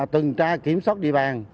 tường tra kiểm soát địa bàn